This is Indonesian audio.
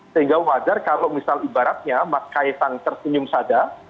sehingga wajar kalau misal ibaratnya mas kaisang tersenyum sadar